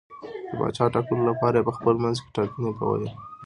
د پاچا ټاکلو لپاره یې په خپل منځ کې ټاکنې کولې.